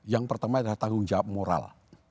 yang pertama adalah tanggung jawab moral